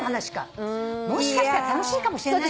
もしかしたら楽しいかもしれないしね。